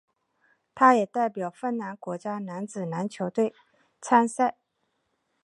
他也代表芬兰国家男子篮球队参赛。